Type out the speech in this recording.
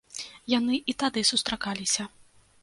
Яны і тады сустракаліся.